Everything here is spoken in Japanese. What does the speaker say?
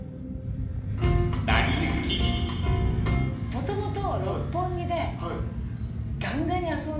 もともと。